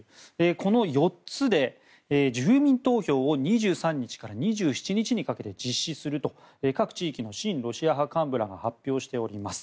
この４つで住民投票を２３日から２７日にかけて実施すると各地域の親ロシア派幹部らが発表しております。